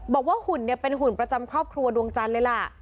หุ่นเนี่ยเป็นหุ่นประจำครอบครัวดวงจันทร์เลยล่ะ